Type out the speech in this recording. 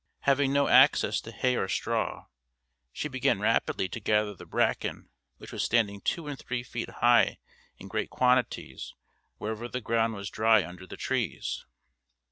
Having no access to hay or straw, she began rapidly to gather the bracken which was standing two and three feet high in great quantities wherever the ground was dry under the trees.